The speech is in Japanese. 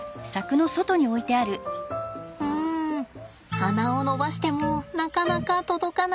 鼻を伸ばしてもなかなか届かない。